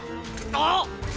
あっ！